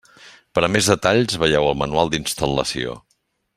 Per a més detalls, veieu el Manual d'instal·lació.